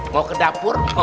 mau ke dapur